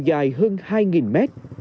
dài hơn hai nghìn m